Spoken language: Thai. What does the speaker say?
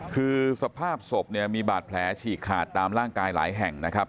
คือสภาพศพเนี่ยมีบาดแผลฉีกขาดตามร่างกายหลายแห่งนะครับ